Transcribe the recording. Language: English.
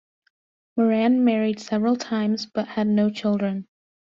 Moran married several times but had no children.